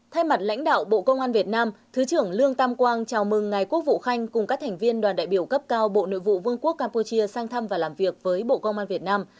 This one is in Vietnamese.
thay mặt lãnh đạo bộ công an việt nam thứ trưởng lương tam quang chào mừng ngài quốc vụ khanh cùng các thành viên đoàn đại biểu cấp cao bộ nội vụ vương quốc campuchia sang thăm và làm việc với bộ công an việt nam